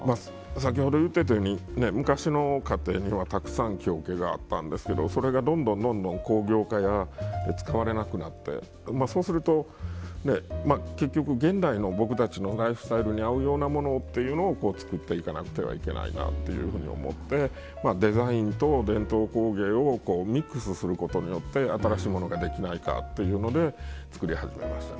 先ほど言ってたように昔の家庭にはたくさん木桶があったんですけどそれが、どんどん工業化で使われなくなってそうすると、結局現代の僕たちのライフスタイルに合うっていうものを作っていかなくてはならないと思って、デザインと伝統工芸をミックスすることによって新しいものができないかというので作り始めました。